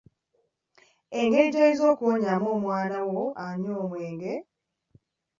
Engeri gy’oyinza okuwonyaamu omwana wo anywa omwenge